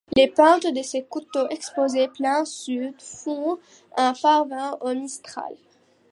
Les pentes de ses coteaux exposés plein sud font un paravent au mistral.